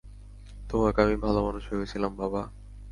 তোমাকে আমি ভালো মানুষ ভেবেছিলাম, বাবা।